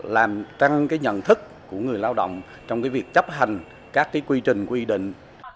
làm tăng cái nhận thức của người lao động trong cái việc chấp hành các cái quy trình quy định